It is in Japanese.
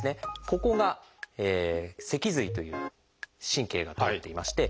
ここが脊髄という神経が通っていまして